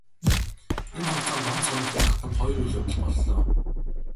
Энэ хугацаанд онц сонирхол татам хоёр үйл явдал боллоо.